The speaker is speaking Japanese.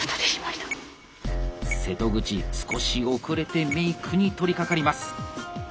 瀬戸口少し遅れてメイクに取りかかります。